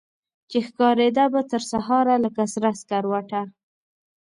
چي ښکاریده به ترسهاره لکه سره سکروټه